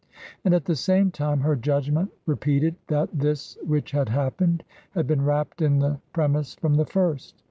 And at the same time her judgment repeated that this which had happened, had been wrapped in the premiss from the first.